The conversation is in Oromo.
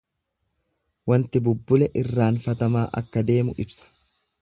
Wanti bubbule irraanfatamaa akka deemu ibsa.